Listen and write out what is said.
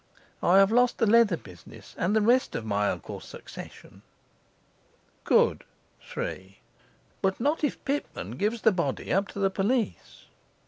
I have lost the leather business and the rest of my uncle's succession. 3. But not if Pitman gives the body up to the police.